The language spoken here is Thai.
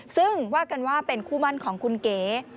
ซึ่งว่ากันว่าเป็นคู่มั่นของคุณเก๋